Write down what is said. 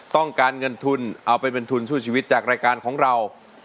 ต้องการเงินทุนเอาไปเป็นทุนสู้ชีวิตจากรายการของเรา